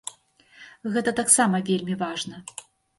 Гэта таксама вельмі важна.